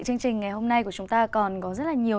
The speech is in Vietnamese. chương trình ngày hôm nay của chúng ta còn có rất là nhiều